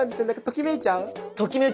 ときめいちゃう。